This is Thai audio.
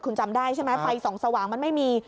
คุณจำได้ใช่ไหมไฟส่องสว่างมันไม่มี